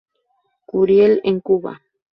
Curiel en Cuba.